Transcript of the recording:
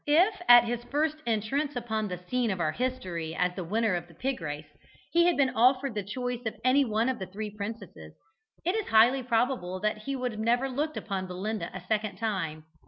If, at his first entrance upon the scene of our history as the winner of the pig race, he had been offered the choice of any one of the three princesses, it is highly probable that he would never have looked upon Belinda a second time.